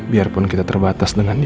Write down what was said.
biarpun kita terbatas dengan dia